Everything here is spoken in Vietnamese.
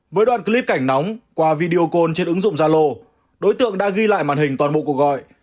với đoạn clip cảnh nóng qua video call trên ứng dụng zalo đối tượng đã ghi lại màn hình toàn bộ cuộc gọi